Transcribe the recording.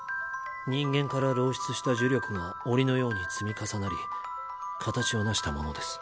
人間から漏出した呪力が澱のように積み重なり形を成したものです。